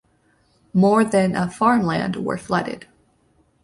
More than of farmland were flooded.